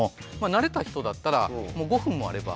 慣れた人だったら５分もあれば。